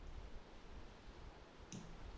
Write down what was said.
لږ ادب هم ښه وي